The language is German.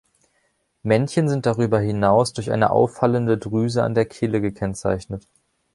Männchen sind darüber hinaus durch eine auffallende Drüse an der Kehle gekennzeichnet.